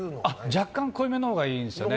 若干濃いめのほうがいいんですよね。